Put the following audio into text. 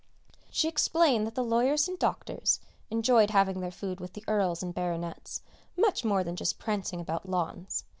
She explained that the lawyers and doctors enjoyed having their food with the earls and baronets much more than just prancing about lawns.